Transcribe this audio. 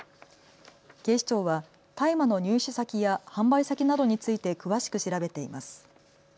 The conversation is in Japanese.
警視庁は大麻の入手先や販売先などについて詳しく調べています。